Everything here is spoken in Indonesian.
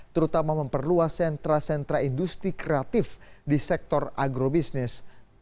terutama memperluas sentra sentra industri kreatif di sektor agrobisnis